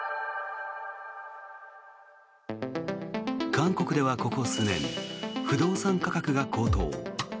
韓国ではここ数年不動産価格が高騰。